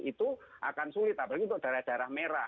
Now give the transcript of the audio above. itu akan sulit apalagi untuk daerah daerah merah